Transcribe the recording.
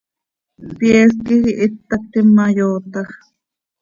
Pyeest quij ihít tactim ma, yootax.